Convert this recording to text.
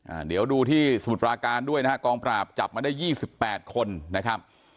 อ่าเดี๋ยวดูที่สมุทรปราการด้วยนะฮะกองปราบจับมาได้ยี่สิบแปดคนนะครับ